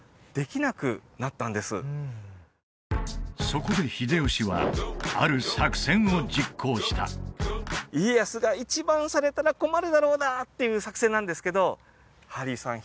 そこで秀吉はある作戦を実行した家康が一番されたら困るだろうなっていう作戦なんですけどハリーさん